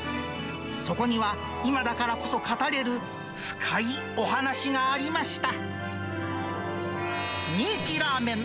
そこには今だからこそ語れる深いお話がありました。